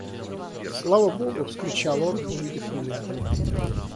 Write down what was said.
«Слава богу! – вскричал он, увидя меня.